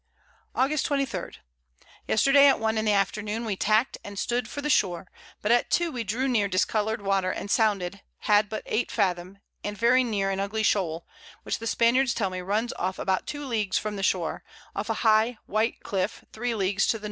August 23. Yesterday, at one in the Afternoon, we tack'd and stood for the Shore, but at two we drew near discolour'd Water, and sounded, had but 8 Fathom, and very near an ugly Shoal, which the Spaniards tell me runs off about 2 Leagues from the Shore, off a high white Cliff, 3 Leagues to the N.